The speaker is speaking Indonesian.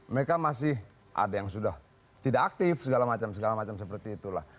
mereka masih ada yang sudah tidak aktif segala macam segala macam seperti itulah